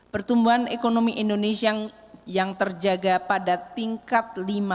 pertumbuhan ekonomi indonesia yang terjaga pada tingkat lima